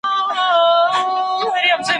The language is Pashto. هم به د دوست، هم د رقیب له لاسه زهر چښو